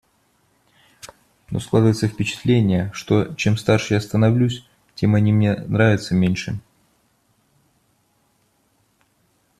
Но складывается впечатление, что, чем старше я становлюсь, тем они мне нравятся меньше.